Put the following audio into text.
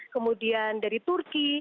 kemudian dari turki